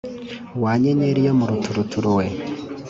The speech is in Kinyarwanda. Wa nyenyeri yo mu ruturuturu we